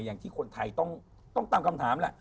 อย่างที่คนไทยต้องตามคำถามแหละ